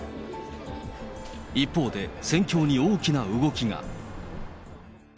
一方で、戦況に大きな動きが。